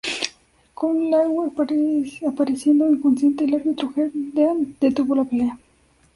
Con Lawler apareciendo inconsciente, el árbitro Herb Dean detuvo la pelea.